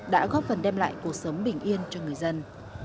đã góp phần đem lại cuộc sống bình yên cho người dân